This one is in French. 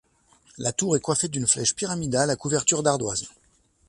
La tour est coiffée d'une flèche pyramidale à couverture d'ardoises.